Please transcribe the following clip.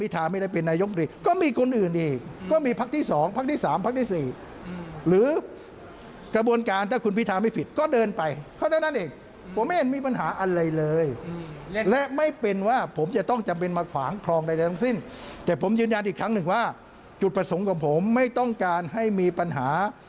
แต่ผมยืนยานอีกครั้งหนึ่งว่าจุดประสงค์กับผมไม่ต้องการให้มีปัญหา